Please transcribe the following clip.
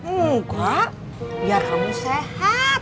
enggak biar kamu sehat